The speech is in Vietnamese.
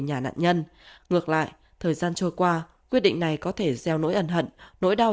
nhà nạn nhân ngược lại thời gian trôi qua quyết định này có thể gieo nỗi ẩn hận nỗi đau